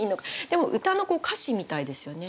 でも歌の歌詞みたいですよね。